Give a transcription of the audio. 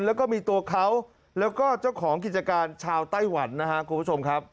แล้วก็มีตัวเขาแล้วก็เจ้าของกิจการชาวไต้หวันนะครับคุณผู้ชมครับ